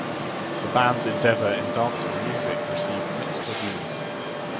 The band's endeavor in dancehall music received mixed reviews.